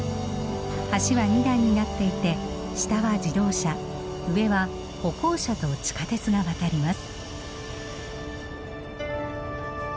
橋は二段になっていて下は自動車上は歩行者と地下鉄が渡ります。